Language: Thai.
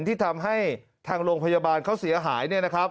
ที่ทำให้ทางโรงพยาบาลเขาเสียหาย